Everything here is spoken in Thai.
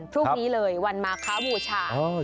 พรุ่งนี้เลยวันมาคบูชา